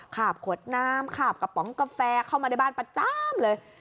ขาบขวดน้ำขาบกระป๋องกาแฟเข้ามาในบ้านประจำเลย